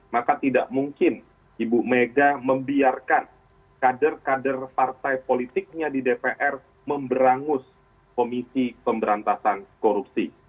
maka tidak mungkin ibu mega membiarkan kader kader partai politiknya di dpr memberangus komisi pemberantasan korupsi